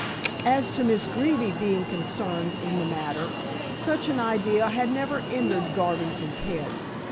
As to Miss Greeby being concerned in the matter, such an idea had never entered Garvington's head.